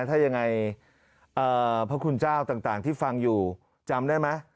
ถ้ายังไงพระคุณเจ้าต่างที่ฟังอยู่จำได้ไหม